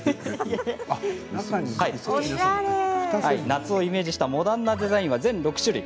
夏をイメージしたモダンなデザインは全６種類。